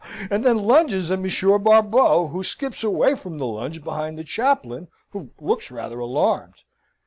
and then lunges at M. Barbeau, who skips away from the lunge behind the chaplain, who looks rather alarmed.